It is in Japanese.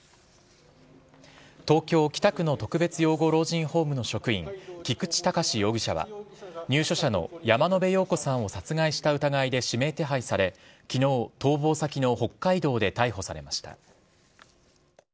東京・北区の特別養護老人ホームの職員、菊池隆容疑者は、入所者の山野辺陽子さんを殺害した疑いで指名手配され、きのう、逃亡先の北海道で逮捕されました。